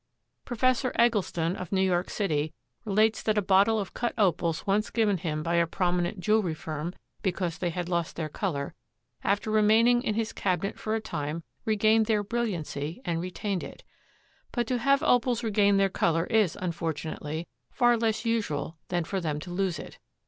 Prof. Egleston, of New York city, relates that a bottle of cut Opals once given him by a prominent jewelry firm because they had lost their color, after remaining in his cabinet for a time regained their brilliancy and retained it. But to have opals regain their color is, unfortunately, far less usual than for them to lose it.